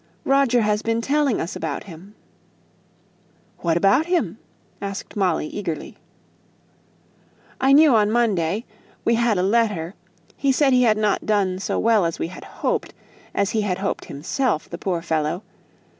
"Roger has been telling us about him." "What about him?" asked Molly, eagerly. "I knew on Monday; we had a letter he said he had not done so well as we had hoped as he had hoped himself, poor fellow!